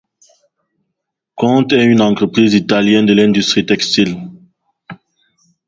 Conte est une entreprise italienne de l'industrie textile.